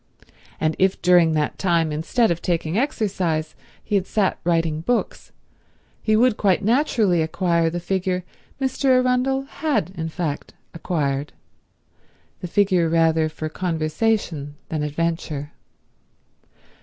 And if during that time instead of taking exercise he had sat writing books, he would quite naturally acquire the figure Mr. Arundel had in fact acquired—the figure rather for conversation than adventure.